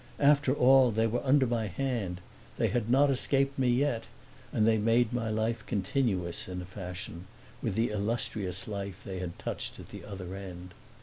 After all they were under my hand they had not escaped me yet; and they made my life continuous, in a fashion, with the illustrious life they had touched at the other end.